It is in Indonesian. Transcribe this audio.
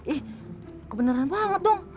ih kebeneran banget dong